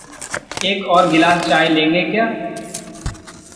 एक और गिलास चाय लेंगे क्या?